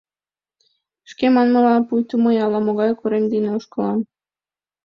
Шке манмыла, пуйто мый ала-могай корем дене ошкылам.